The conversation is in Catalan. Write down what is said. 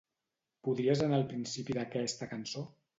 Podries anar al principi d'aquesta cançó?